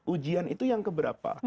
ujian itu yang keberapa